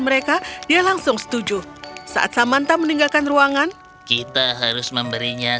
mereka dia langsung setuju saat samanta meninggalkan ruangan kita harus memberinya